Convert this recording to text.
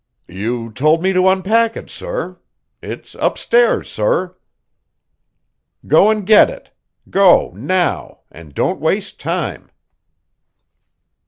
"You told me to unpack it, sorr. It's upstairs, sorr." "Go and get it. Go now and don't waste time."